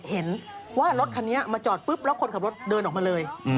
เห็นว่ารถคันนี้มาจอดปุ๊บแล้วคนขับรถเดินออกมาเลย